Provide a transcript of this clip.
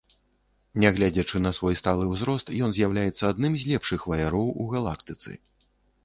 Нягледзячы на свой сталы ўзрост, ён з'яўляецца адным з лепшых ваяроў у галактыцы.